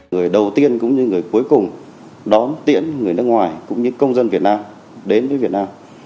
người đầu tiên cũng như người cuối cùng đón tiễn người nước ngoài cũng như công dân việt nam đến với việt nam